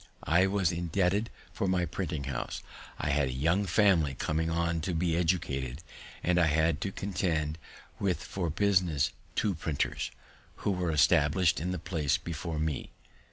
I was indebted for my printing house; I had a young family coming on to be educated, and I had to contend with for business two printers, who were established in the place before me.